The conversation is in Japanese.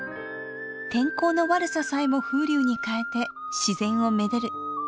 天候の悪ささえも風流にかえて自然をめでる粋な言葉です。